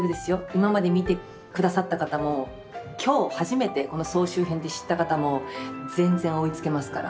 今まで見て下さった方も今日初めてこの総集編で知った方も全然追いつけますから。